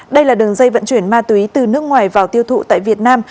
đây là đường dây vận chuyển ma túy từ nước ngoài vào tiêu thụ tại việt nam